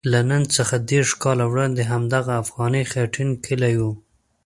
له نن څخه دېرش کاله وړاندې همدغه افغاني خټین کلی وو.